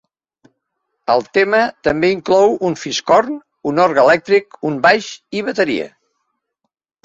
El tema també inclou un fiscorn, un orgue elèctric, un baix i bateria.